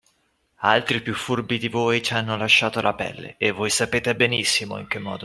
Altri piú furbi di voi ci hanno lasciato la pelle e voi sapete benissimo in che modo.